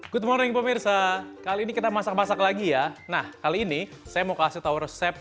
good morning pemirsa kali ini kita masak masak lagi ya nah kali ini saya mau kasih tau resep